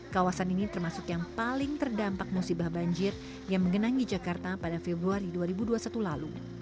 kawasan ini termasuk yang paling terdampak musibah banjir yang mengenangi jakarta pada februari dua ribu dua puluh satu lalu